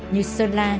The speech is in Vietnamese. như sơn la